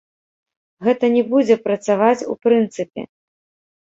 Гэта не будзе працаваць ў прынцыпе.